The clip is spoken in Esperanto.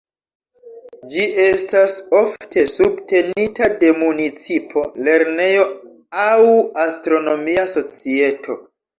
Ĝi estas ofte subtenita de municipo, lernejo aŭ astronomia societo.